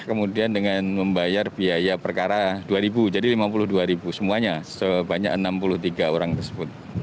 kemudian dengan membayar biaya perkara dua ribu jadi lima puluh dua semuanya sebanyak enam puluh tiga orang tersebut